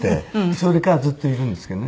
それからずっといるんですけどね。